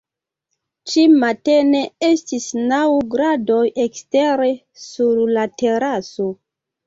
Ĉi-matene estis naŭ gradoj ekstere sur la teraso.